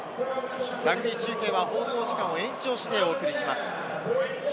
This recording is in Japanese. ラグビー中継は放送時間を延長してお送りします。